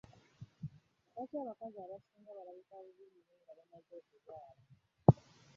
Lwaki abakazi abasinga balabika bubbi nga bamaze okuzaala?